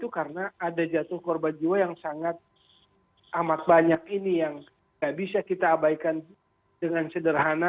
karena ada jatuh korban jiwa yang sangat amat banyak ini yang gak bisa kita abaikan dengan sederhana